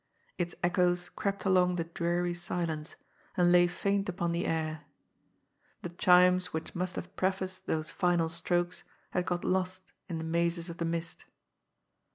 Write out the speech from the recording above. Its echoes crept along the dreary silence, and lay faint upon the air. The chimes which must have prefaced those final strokes had got lost in the mazes of the mist.